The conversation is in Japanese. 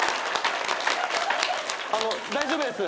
あの大丈夫です。